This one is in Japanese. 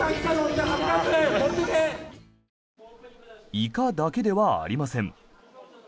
イカだけではありません。